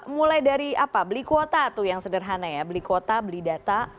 jadi apa beli kuota tuh yang sederhana ya beli kuota beli data